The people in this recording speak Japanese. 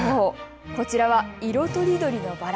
こちらは色とりどりのバラ。